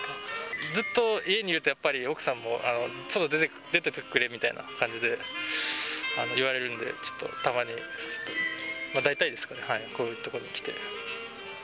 ずっと家にいると、やっぱり奥さんも、外出ててくれみたいな感じで言われるんで、ちょっと、たまに、大体ですかね、こういう所に来て。